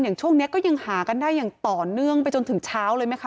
ช่วงนี้ก็ยังหากันได้อย่างต่อเนื่องไปจนถึงเช้าเลยไหมคะ